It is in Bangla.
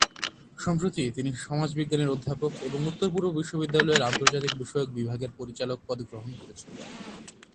সম্প্রতি, তিনি সমাজবিজ্ঞানের অধ্যাপক এবং উত্তর-পূর্ব বিশ্ববিদ্যালয়ের আন্তর্জাতিক বিষয়ক বিভাগের পরিচালক পদ গ্রহণ করেছেন।